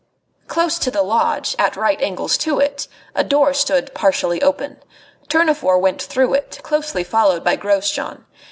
Close to the lodge, at right angles to it, a door stood partially open. Tournefort went through it, closely followed by Grosjean.